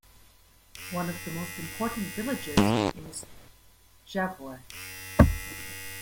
One of the most important villages is Gavoi.